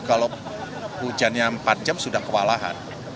kalau hujannya empat jam sudah kewalahan